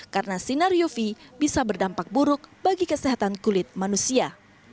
karena sinar uv bisa berdampak buruk bagi kesehatan kulit manusia